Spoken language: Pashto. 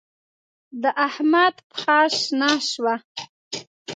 د احمد پښه شنه شوه.